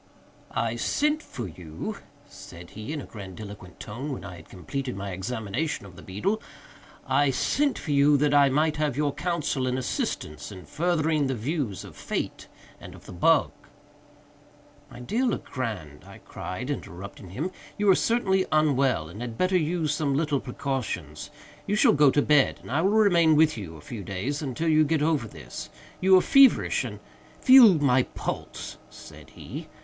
"I sent for you," said he, in a grandiloquent tone, when I had completed my examination of the beetle, "I sent for you, that I might have your counsel and assistance in furthering the views of Fate and of the bug—" "My dear Legrand," I cried, interrupting him, "you are certainly unwell, and had better use some little precautions. You shall go to bed, and I will remain with you a few days, until you get over this. You are feverish and—" "Feel my pulse," said he.